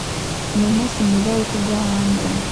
Numunsi mwiza wubukwe bwo hanze